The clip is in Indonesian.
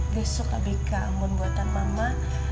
dia suka bika ambon buatan mama